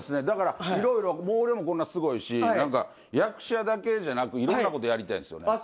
だからいろいろ毛量もこんなすごいし何か役者だけじゃなくいろんな事やりたいですよね。